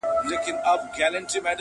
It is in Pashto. ستا دي تاج وي همېشه، لوړ دي نښان وي!.